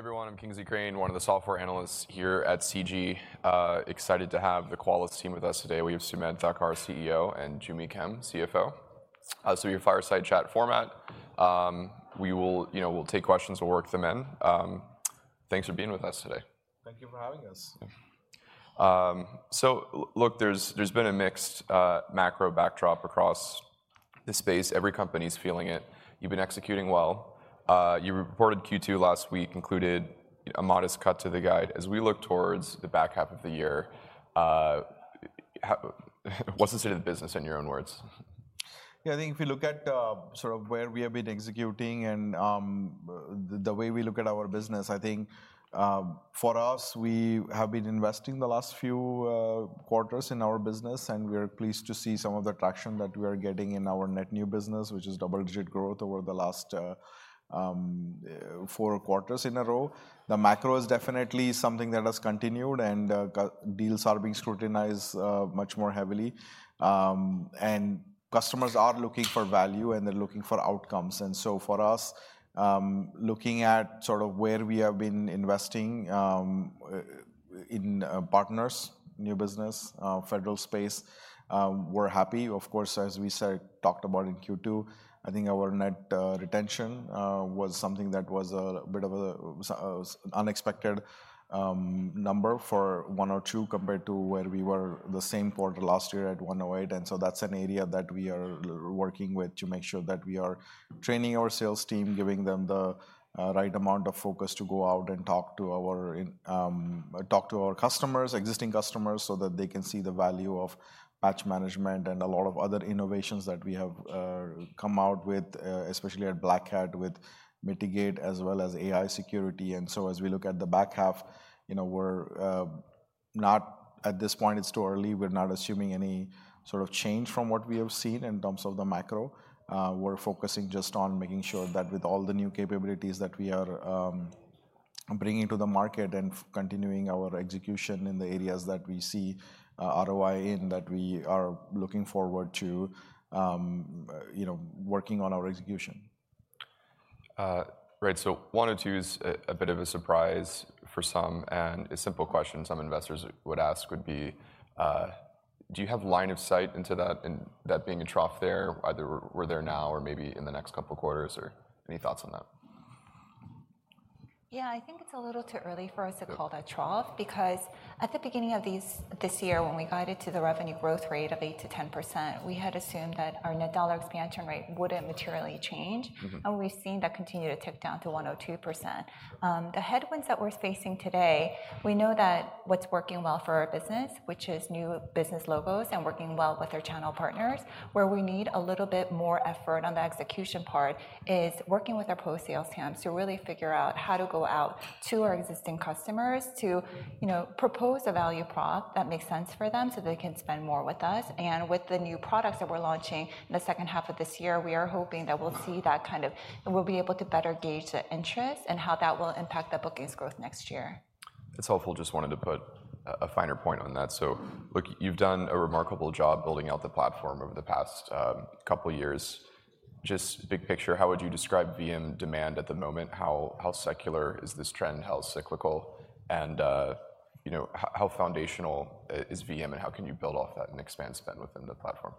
Hi, everyone. I'm Kingsley Crane, one of the software analysts here at CG. Excited to have the Qualys team with us today. We have Sumedh Thakar, our CEO, and Joo Mi Kim, CFO. This will be a fireside chat format. We will, you know, we'll take questions. We'll work them in. Thanks for being with us today. Thank you for having us. So look, there's been a mixed macro backdrop across the space. Every company's feeling it. You've been executing well. You reported Q2 last week, included a modest cut to the guide. As we look towards the back half of the year, what's the state of the business in your own words? Yeah, I think if you look at sort of where we have been executing and the way we look at our business, I think for us, we have been investing the last few quarters in our business, and we are pleased to see some of the traction that we are getting in our net new business, which is double-digit growth over the last 4 quarters in a row. The macro is definitely something that has continued, and deals are being scrutinized much more heavily. And customers are looking for value, and they're looking for outcomes. And so for us, looking at sort of where we have been investing in partners, new business, federal space, we're happy. Of course, as we said, talked about in Q2, I think our net retention was something that was a bit of a unexpected number for 102, compared to where we were the same quarter last year at 108, and so that's an area that we are working with to make sure that we are training our sales team, giving them the right amount of focus to go out and talk to our customers, existing customers, so that they can see the value of patch management and a lot of other innovations that we have come out with, especially at Black Hat, with mitigation as well as AI Security. And so as we look at the back half, you know, we're not at this point, it's too early. We're not assuming any sort of change from what we have seen in terms of the macro. We're focusing just on making sure that with all the new capabilities that we are bringing to the market and continuing our execution in the areas that we see ROI in, that we are looking forward to, you know, working on our execution. Right. 102 is a bit of a surprise for some, and a simple question some investors would ask would be: Do you have line of sight into that, and that being a trough there, either we're there now or maybe in the next couple quarters or any thoughts on that? Yeah, I think it's a little too early for us to call that trough, because at the beginning of this year, when we guided to the revenue growth rate of 8%-10%, we had assumed that our net dollar expansion rate wouldn't materially change. We've seen that continue to tick down to 102%. The headwinds that we're facing today, we know that what's working well for our business, which is new business logos and working well with our channel partners. Where we need a little bit more effort on the execution part is working with our post-sales team to really figure out how to go out to our existing customers to, you know, propose a value prop that makes sense for them, so they can spend more with us. And with the new products that we're launching in the second half of this year, we are hoping that we'll see that, kind of... We'll be able to better gauge the interest and how that will impact the bookings growth next year. That's helpful. Just wanted to put a finer point on that. So look, you've done a remarkable job building out the platform over the past couple years. Just big picture, how would you describe VM demand at the moment? How secular is this trend? How cyclical and you know how foundational is VM, and how can you build off that and expand spend within the platform?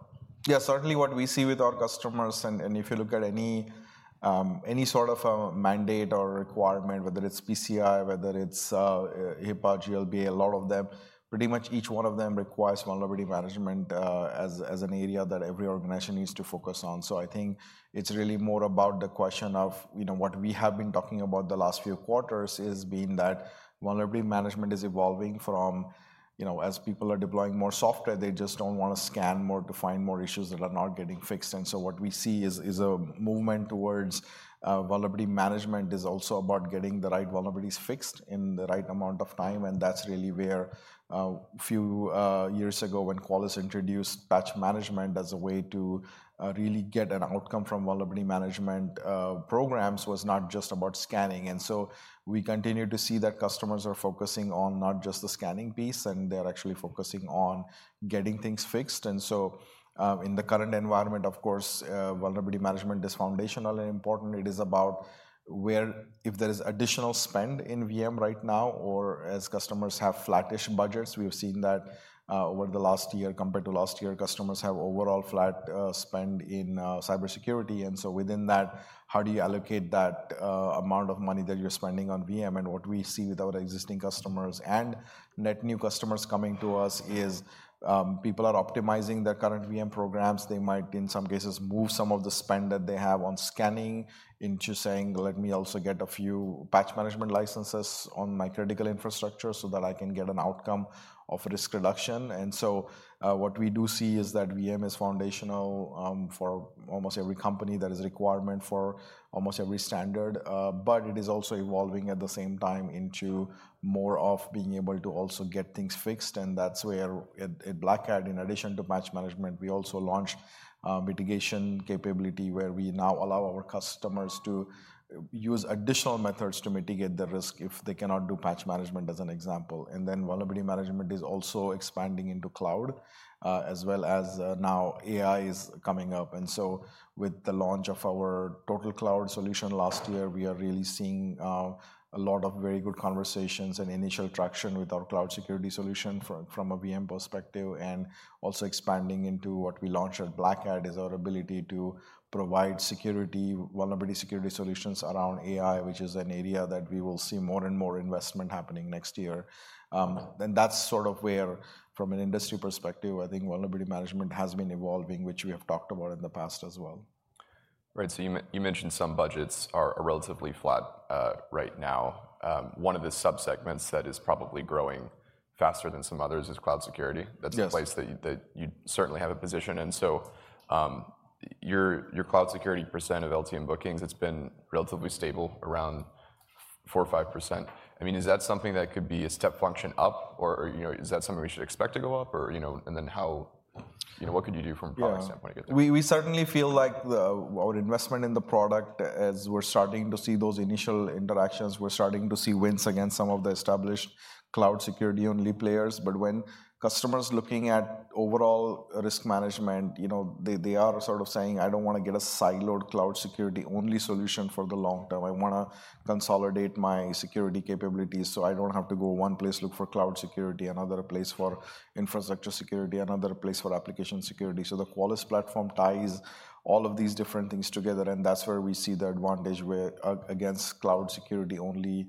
Yeah, certainly what we see with our customers, and if you look at any sort of a mandate or requirement, whether it's PCI, whether it's HIPAA, GLBA, a lot of them, pretty much each one of them requires vulnerability management as an area that every organization needs to focus on. So I think it's really more about the question of, you know, what we have been talking about the last few quarters is being that vulnerability management is evolving from, you know, as people are deploying more software, they just don't want to scan more to find more issues that are not getting fixed. And so what we see is a movement towards vulnerability management is also about getting the right vulnerabilities fixed in the right amount of time, and that's really where a few years ago, when Qualys introduced patch management as a way to really get an outcome from vulnerability management programs, was not just about scanning. And so we continue to see that customers are focusing on not just the scanning piece, and they're actually focusing on getting things fixed. And so in the current environment, of course, vulnerability management is foundational and important. It is about where if there is additional spend in VM right now or as customers have flattish budgets, we've seen that over the last year, compared to last year, customers have overall flat spend in cybersecurity. And so within that, how do you allocate that, amount of money that you're spending on VM? And what we see with our existing customers and net new customers coming to us is, people are optimizing their current VM programs. They might, in some cases, move some of the spend that they have on scanning into saying: Let me also get a few patch management licenses on my critical infrastructure so that I can get an outcome of risk reduction. And so, what we do see is that VM is foundational, for almost every company. That is a requirement for almost every standard. But it is also evolving at the same time into more of being able to also get things fixed, and that's where at Black Hat, in addition to patch management, we also launched a mitigation capability where we now allow our customers to use additional methods to mitigate the risk if they cannot do patch management, as an example. And then vulnerability management is also expanding into cloud, as well as now AI is coming up. So with the launch of our TotalCloud solution last year, we are really seeing a lot of very good conversations and initial traction with our cloud security solution from a VM perspective and also expanding into what we launched at Black Hat, is our ability to provide security, vulnerability security solutions around AI, which is an area that we will see more and more investment happening next year. And that's sort of where, from an industry perspective, I think vulnerability management has been evolving, which we have talked about in the past as well. Right, so you mentioned some budgets are relatively flat, right now. One of the subsegments that is probably growing faster than some others is cloud security. Yes. That's a place that you certainly have a position in. So, your cloud security percent of LTM bookings, it's been relatively stable, around 4 or 5%. I mean, is that something that could be a step function up, or, you know, is that something we should expect to go up? Or, you know, and then how... You know, what could you do from a product standpoint to get there? Yeah. We certainly feel like our investment in the product, as we're starting to see those initial interactions, we're starting to see wins against some of the established cloud security-only players. But when customers looking at overall risk management, you know, they are sort of saying: I don't wanna get a siloed cloud security-only solution for the long term. I wanna consolidate my security capabilities, so I don't have to go one place, look for cloud security, another place for infrastructure security, another place for application security. So the Qualys platform ties all of these different things together, and that's where we see the advantage against cloud security-only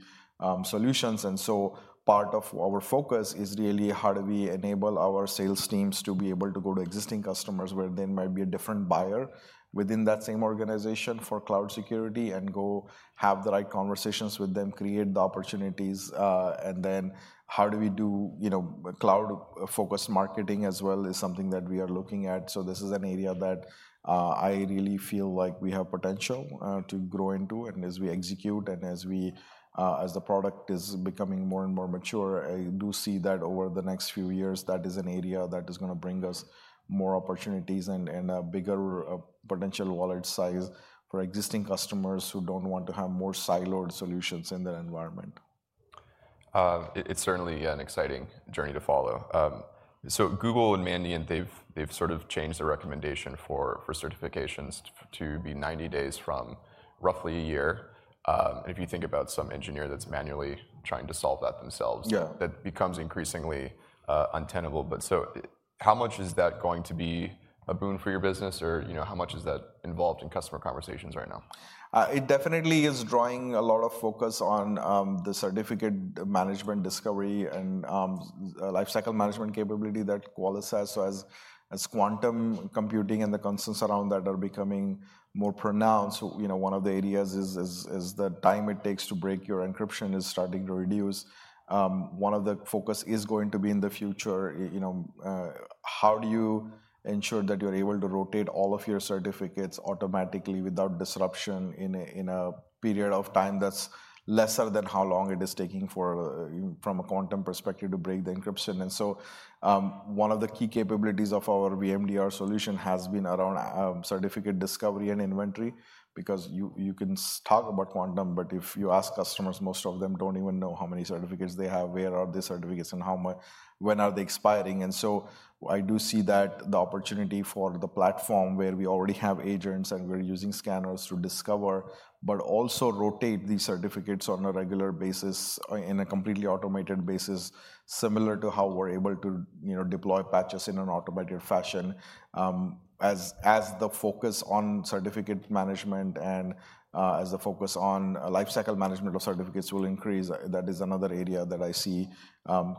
solutions. And so part of our focus is really, how do we enable our sales teams to be able to go to existing customers, where there might be a different buyer within that same organization for cloud security, and go have the right conversations with them, create the opportunities? And then how do we do, you know, cloud-focused marketing as well, is something that we are looking at. So this is an area that, I really feel like we have potential, to grow into. And as we execute and as we, as the product is becoming more and more mature, I do see that over the next few years, that is an area that is gonna bring us more opportunities and, and a bigger, potential wallet size for existing customers who don't want to have more siloed solutions in their environment. It's certainly, yeah, an exciting journey to follow. So Google and Mandiant, they've sort of changed the recommendation for certifications to be 90 days from roughly a year. And if you think about some engineer that's manually trying to solve that themselves that becomes increasingly untenable. But so how much is that going to be a boon for your business, or, you know, how much is that involved in customer conversations right now? It definitely is drawing a lot of focus on the certificate management discovery and lifecycle management capability that Qualys has. So as quantum computing and the concerns around that are becoming more pronounced, you know, one of the areas is the time it takes to break your encryption is starting to reduce. One of the focus is going to be in the future, you know, how do you ensure that you're able to rotate all of your certificates automatically without disruption in a period of time that's lesser than how long it is taking for from a quantum perspective, to break the encryption? One of the key capabilities of our VMDR solution has been around certificate discovery and inventory, because you can talk about quantum, but if you ask customers, most of them don't even know how many certificates they have, where are the certificates, and how, when are they expiring? I do see that the opportunity for the platform, where we already have agents, and we're using scanners to discover but also rotate these certificates on a regular basis in a completely automated basis, similar to how we're able to, you know, deploy patches in an automated fashion. As the focus on certificate management and lifecycle management of certificates will increase, that is another area that I see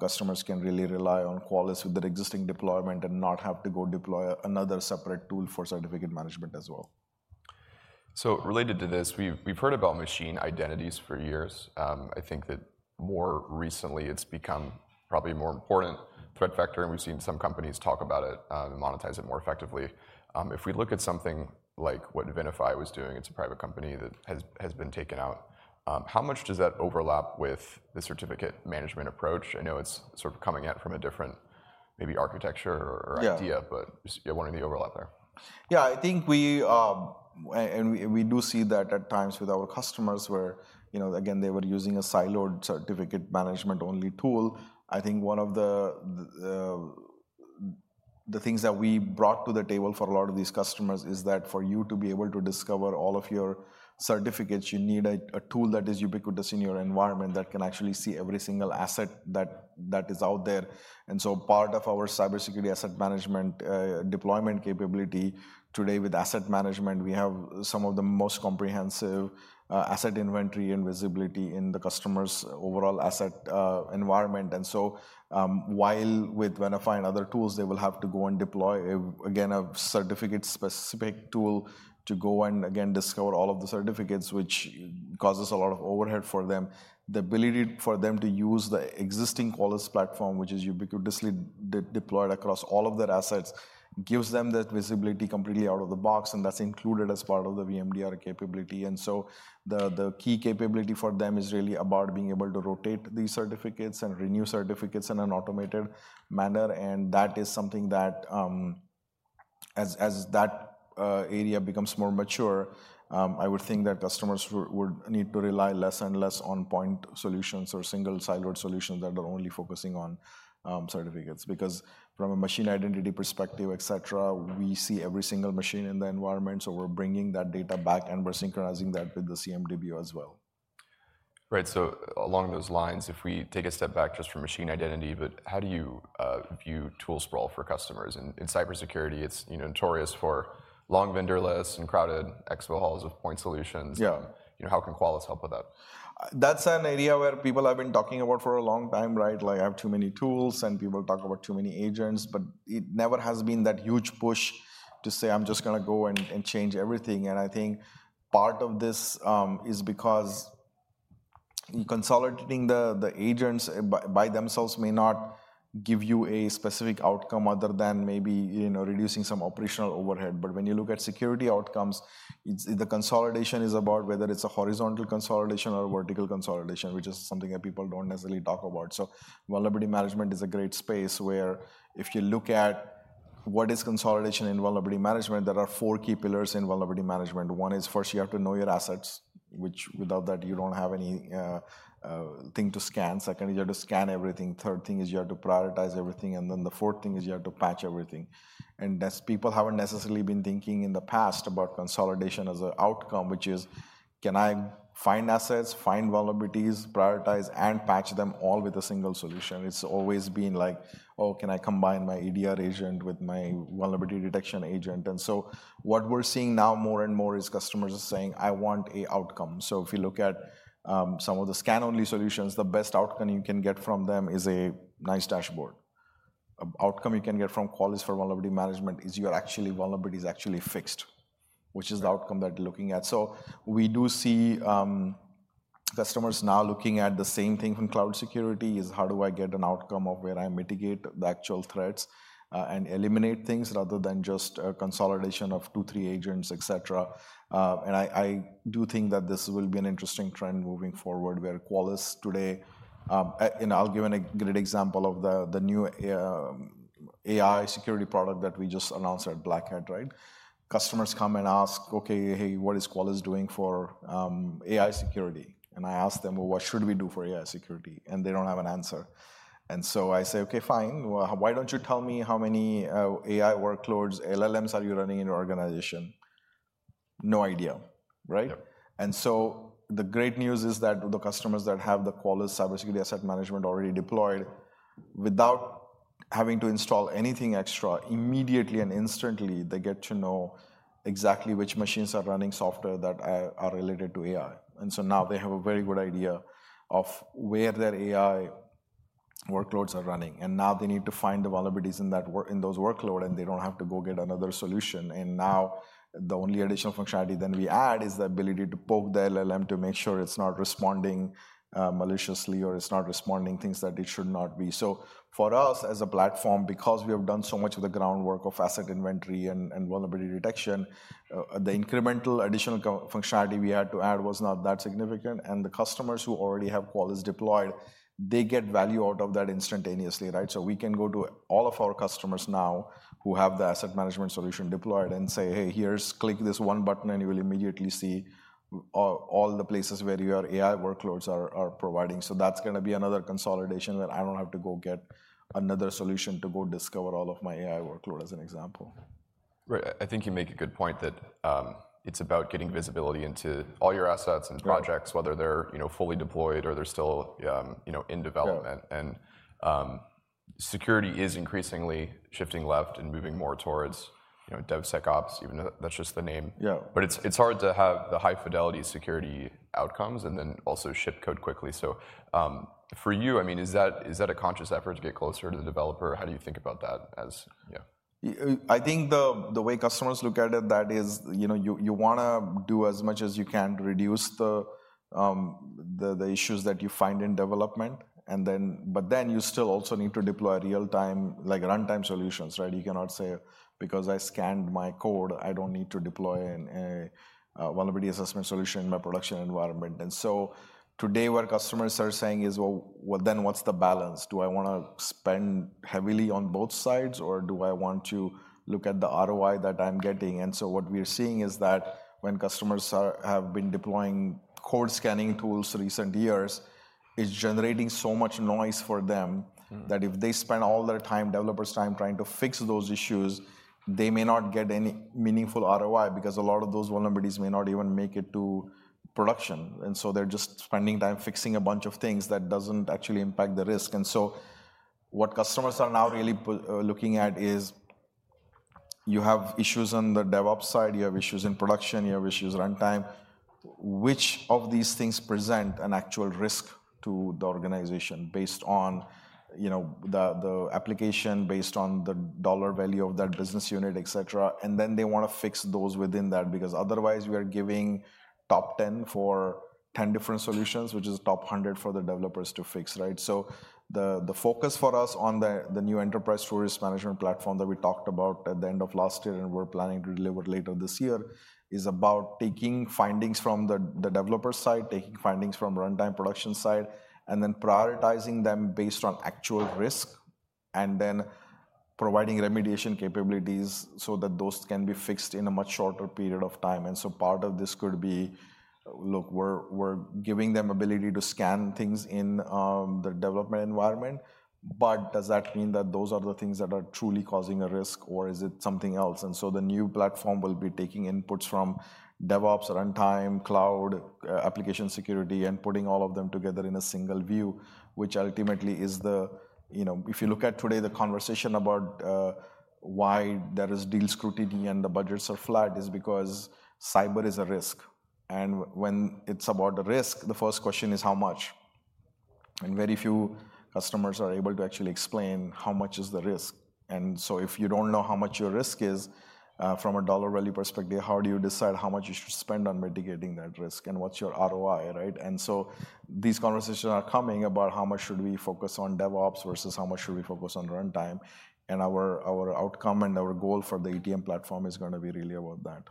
customers can really rely on Qualys with their existing deployment and not have to go deploy another separate tool for certificate management as well. So related to this, we've heard about machine identities for years. I think that more recently, it's become probably a more important threat vector, and we've seen some companies talk about it and monetize it more effectively. If we look at something like what Venafi was doing, it's a private company that has been taken out, how much does that overlap with the certificate management approach? I know it's sort of coming at it from a different maybe architecture or idea but just, yeah, what are the overlap there? Yeah, I think we, and we do see that at times with our customers where, you know, again, they were using a siloed certificate management-only tool. I think one of the things that we brought to the table for a lot of these customers is that for you to be able to discover all of your certificates, you need a tool that is ubiquitous in your environment, that can actually see every single asset that is out there. And so part of our CyberSecurity Asset Management deployment capability, today with asset management, we have some of the most comprehensive asset inventory and visibility in the customer's overall asset environment. And so, while with Venafi and other tools, they will have to go and deploy again a certificate-specific tool to go and discover all of the certificates, which causes a lot of overhead for them. The ability for them to use the existing Qualys platform, which is ubiquitously deployed across all of their assets, gives them that visibility completely out of the box, and that's included as part of the VMDR capability. And so the key capability for them is really about being able to rotate these certificates and renew certificates in an automated manner, and that is something that, as that area becomes more mature, I would think that customers would need to rely less and less on point solutions or single siloed solutions that are only focusing on certificates. Because from a machine identity perspective, et cetera, we see every single machine in the environment, so we're bringing that data back, and we're synchronizing that with the CMDB as well. Right. So along those lines, if we take a step back just from machine identity, but how do you view tool sprawl for customers? In cybersecurity, it's, you know, notorious for long vendor lists and crowded expo halls with point solutions. You know, how can Qualys help with that? That's an area where people have been talking about for a long time, right? Like, I have too many tools, and people talk about too many agents. But it never has been that huge push to say: I'm just gonna go and change everything. And I think part of this is because consolidating the agents by themselves may not give you a specific outcome other than maybe, you know, reducing some operational overhead. But when you look at security outcomes, it's the consolidation is about whether it's a horizontal consolidation or a vertical consolidation, which is something that people don't necessarily talk about. So vulnerability management is a great space where if you look at what is consolidation in vulnerability management, there are four key pillars in vulnerability management. One is, first, you have to know your assets, which without that, you don't have any thing to scan. Second, you have to scan everything. Third thing is you have to prioritize everything, and then the fourth thing is you have to patch everything. And as people haven't necessarily been thinking in the past about consolidation as an outcome, which is: Can I find assets, find vulnerabilities, prioritize, and patch them all with a single solution? It's always been like: Oh, can I combine my EDR agent with my vulnerability detection agent? And so what we're seeing now more and more is customers are saying, "I want a outcome." So if you look at some of the scan-only solutions, the best outcome you can get from them is a nice dashboard. Outcome you can get from Qualys for vulnerability management is your actual vulnerability is actually fixed, which is the outcome that you're looking at. So we do see, customers now looking at the same thing from cloud security, is how do I get an outcome of where I mitigate the actual threats, and eliminate things, rather than just a consolidation of 2, 3 agents, et cetera. And I do think that this will be an interesting trend moving forward, where Qualys today... And I'll give a great example of the new AI security product that we just announced at Black Hat, right? Customers come and ask: "Okay, hey, what is Qualys doing for AI security?" And I ask them: "Well, what should we do for AI security?" And they don't have an answer. And so I say: "Okay, fine. Well, why don't you tell me how many, AI workloads, LLMs are you running in your organization?" No idea, right? Yep. The great news is that the customers that have the Qualys CyberSecurity Asset Management already deployed, without having to install anything extra, immediately and instantly, they get to know exactly which machines are running software that are related to AI. So now they have a very good idea of where their AI workloads are running, and now they need to find the vulnerabilities in those workloads, and they don't have to go get another solution. Now, the only additional functionality then we add is the ability to poke the LLM to make sure it's not responding maliciously or it's not responding things that it should not be. So for us, as a platform, because we have done so much of the groundwork of asset inventory and vulnerability detection, the incremental additional co-functionality we had to add was not that significant. And the customers who already have Qualys deployed, they get value out of that instantaneously, right? So we can go to all of our customers now who have the asset management solution deployed and say, "Hey, here's... Click this one button, and you will immediately see all the places where your AI workloads are providing." So that's gonna be another consolidation that I don't have to go get another solution to go discover all of my AI workload, as an example. Right. I think you make a good point, that, it's about getting visibility into all your assets and projects whether they're, you know, fully deployed or they're still, you know, in development. Security is increasingly shifting left and moving more towards, you know, DevSecOps, even though that's just the name. But it's hard to have the high-fidelity security outcomes and then also ship code quickly. So, for you, I mean, is that a conscious effort to get closer to the developer, or how do you think about that as... Yeah. I think the way customers look at it, that is, you know, you wanna do as much as you can to reduce the issues that you find in development. And then you still also need to deploy real-time, like, runtime solutions, right? You cannot say, "Because I scanned my code, I don't need to deploy a vulnerability assessment solution in my production environment." And so today, what customers are saying is: "Well, then what's the balance? Do I wanna spend heavily on both sides, or do I want to look at the ROI that I'm getting?" And so what we are seeing is that when customers are, have been deploying code scanning tools recent years, it's generating so much noise for them. That if they spend all their time, developers' time, trying to fix those issues, they may not get any meaningful ROI because a lot of those vulnerabilities may not even make it to production. And so they're just spending time fixing a bunch of things that doesn't actually impact the risk. And so what customers are now really looking at is you have issues on the DevOps side, you have issues in production, you have issues runtime. Which of these things present an actual risk to the organization based on, you know, the, the application, based on the dollar value of that business unit, et cetera? And then they want to fix those within that, because otherwise, we are giving top ten for ten different solutions, which is top hundred for the developers to fix, right? So the focus for us on the new enterprise risk management platform that we talked about at the end of last year and we're planning to deliver later this year, is about taking findings from the developer side, taking findings from runtime production side, and then prioritizing them based on actual risk, and then providing remediation capabilities so that those can be fixed in a much shorter period of time. And so part of this could be, look, we're giving them ability to scan things in the development environment, but does that mean that those are the things that are truly causing a risk, or is it something else? And so the new platform will be taking inputs from DevOps, runtime, cloud, application security, and putting all of them together in a single view, which ultimately is the... You know, if you look at today, the conversation about why there is deal scrutiny and the budgets are flat, is because cyber is a risk. And when it's about the risk, the first question is: How much? And very few customers are able to actually explain how much is the risk. And so if you don't know how much your risk is, from a dollar value perspective, how do you decide how much you should spend on mitigating that risk, and what's your ROI, right? And so these conversations are coming about how much should we focus on DevOps versus how much should we focus on runtime, and our, our outcome and our goal for the ETM platform is gonna be really about that.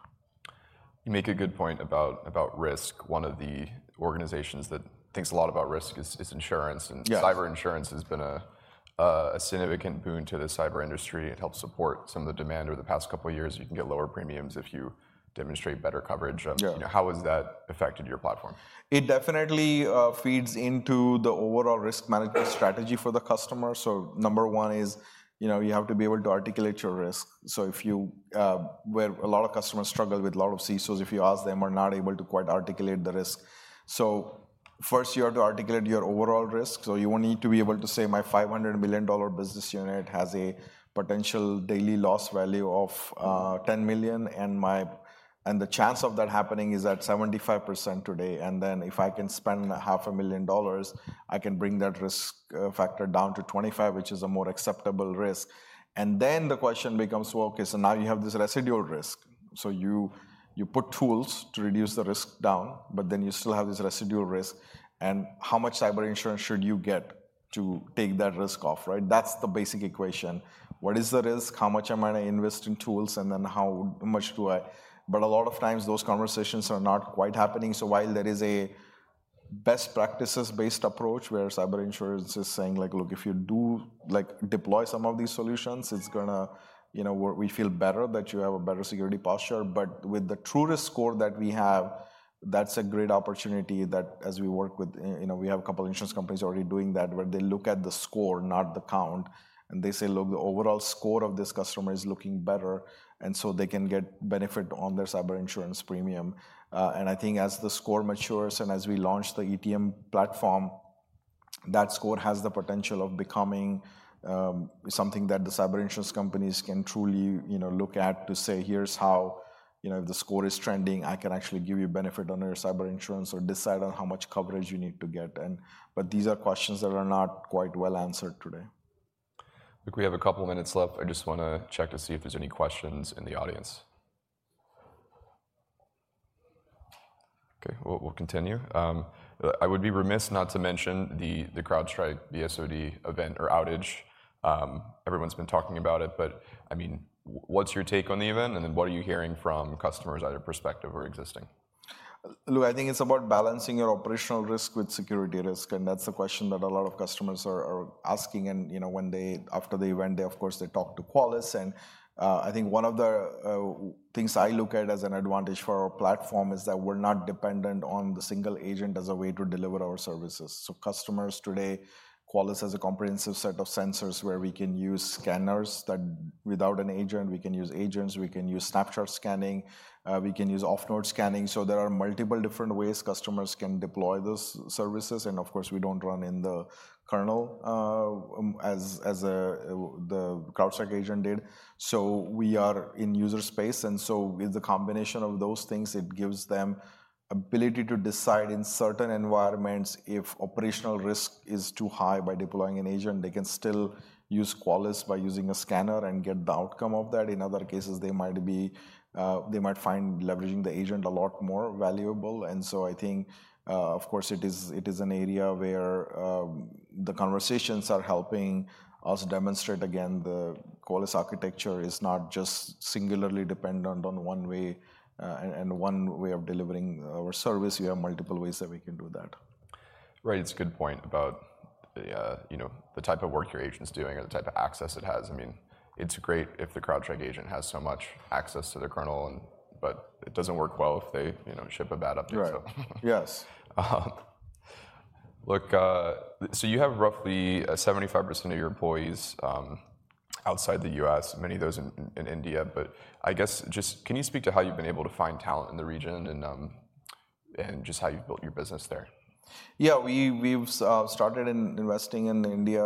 You make a good point about risk. One of the organizations that thinks a lot about risk is insurance- Yes. And cyber insurance has been a significant boon to the cyber industry. It helps support some of the demand over the past couple of years. You can get lower premiums if you demonstrate better coverage of. How has that affected your platform? It definitely feeds into the overall risk management strategy for the customer. So number one is, you know, you have to be able to articulate your risk. So if you, where a lot of customers struggle with a lot of CISOs, if you ask them, are not able to quite articulate the risk. So first, you have to articulate your overall risk. So you will need to be able to say, "My $500 million business unit has a potential daily loss value of $10 million, and my... And the chance of that happening is at 75% today. And then if I can spend $500,000, I can bring that risk factor down to 25%, which is a more acceptable risk." And then the question becomes: Well, okay, so now you have this residual risk. So you, you put tools to reduce the risk down, but then you still have this residual risk, and how much cyber insurance should you get to take that risk off, right? That's the basic equation. What is the risk? How much am I going to invest in tools, and then how much do I... But a lot of times those conversations are not quite happening. So while there is a best practices-based approach where cyber insurance is saying, like: "Look, if you do, like, deploy some of these solutions, it's gonna, you know, we feel better that you have a better security posture." But with the TruRisk score that we have, that's a great opportunity that as we work with, you know, we have a couple insurance companies already doing that, where they look at the score, not the count, and they say: "Look, the overall score of this customer is looking better," and so they can get benefit on their cyber insurance premium. And I think as the score matures and as we launch the ETM platform, that score has the potential of becoming something that the cyber insurance companies can truly, you know, look at to say: "Here's how, you know, the score is trending. I can actually give you a benefit on your cyber insurance or decide on how much coverage you need to get." But these are questions that are not quite well answered today. Look, we have a couple of minutes left. I just wanna check to see if there's any questions in the audience. Okay, we'll continue. I would be remiss not to mention the CrowdStrike BSOD event or outage. Everyone's been talking about it, but I mean, what's your take on the event, and then what are you hearing from customers, either perspective or existing? Look, I think it's about balancing your operational risk with security risk, and that's a question that a lot of customers are asking. And, you know, when they—after the event, they, of course, talk to Qualys. And, I think one of the things I look at as an advantage for our platform is that we're not dependent on the single agent as a way to deliver our services. So customers today, Qualys has a comprehensive set of sensors where we can use scanners that without an agent, we can use agents, we can use snapshot scanning, we can use off-node scanning. So there are multiple different ways customers can deploy those services. And of course, we don't run in the kernel, as the CrowdStrike agent did. So we are in user space, and so with the combination of those things, it gives them ability to decide in certain environments, if operational risk is too high by deploying an agent, they can still use Qualys by using a scanner and get the outcome of that. In other cases, they might be, they might find leveraging the agent a lot more valuable. And so I think, of course, it is, it is an area where, the conversations are helping us demonstrate, again, the Qualys architecture is not just singularly dependent on one way, and, and one way of delivering our service. We have multiple ways that we can do that. Right. It's a good point about the, you know, the type of work your agent's doing or the type of access it has. I mean, it's great if the CrowdStrike agent has so much access to the kernel and, but it doesn't work well if they, you know, ship a bad update. Right. Yes. Look, so you have roughly 75% of your employees outside the US, many of those in India. But I guess just can you speak to how you've been able to find talent in the region and just how you've built your business there? Yeah, we, we've started in investing in India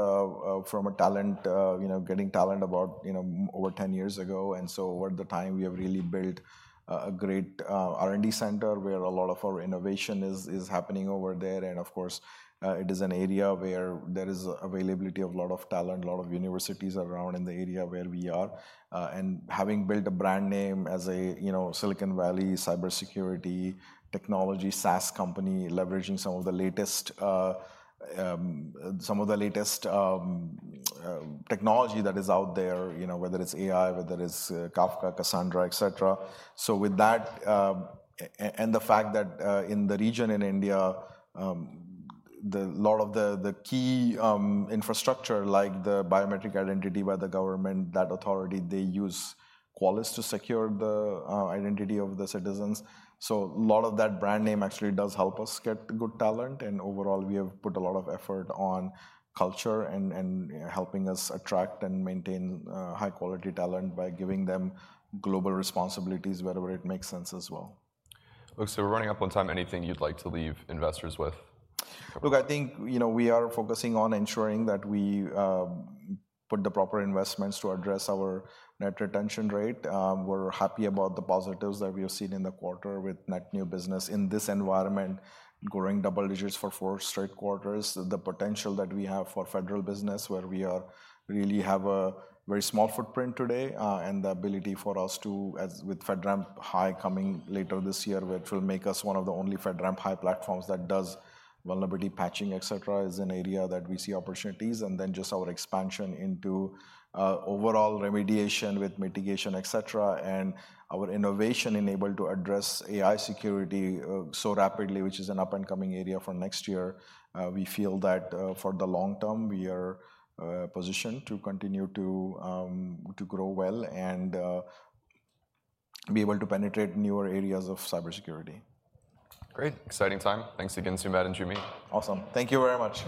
from a talent you know, getting talent about you know, over 10 years ago. And so over the time, we have really built a, a great R&D center where a lot of our innovation is, is happening over there. And of course, it is an area where there is availability of a lot of talent, a lot of universities around in the area where we are. And having built a brand name as a you know, Silicon Valley cybersecurity, technology, SaaS company, leveraging some of the latest technology that is out there, you know, whether it's AI, whether it's Kafka, Cassandra, etc. So with that, and the fact that, in the region in India, a lot of the key infrastructure, like the biometric identity by the government, that authority, they use Qualys to secure the identity of the citizens. So a lot of that brand name actually does help us get good talent, and overall, we have put a lot of effort on culture and helping us attract and maintain high-quality talent by giving them global responsibilities wherever it makes sense as well. Look, so we're running up on time. Anything you'd like to leave investors with? Look, I think, you know, we are focusing on ensuring that we put the proper investments to address our net retention rate. We're happy about the positives that we have seen in the quarter with net new business in this environment, growing double digits for four straight quarters. The potential that we have for federal business, where we really have a very small footprint today, and the ability for us to, as with FedRAMP High coming later this year, which will make us one of the only FedRAMP High platforms that does vulnerability patching, etc., is an area that we see opportunities, and then just our expansion into overall remediation with mitigation, etc., and our innovation enabled to address AI security so rapidly, which is an up-and-coming area for next year. We feel that, for the long term, we are positioned to continue to grow well and be able to penetrate newer areas of cybersecurity. Great! Exciting time. Thanks again, Sumedh Thakar and Joo Mi Kim. Awesome. Thank you very much.